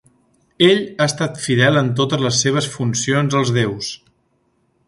Ell ha estat fidel en totes les seves funcions als déus.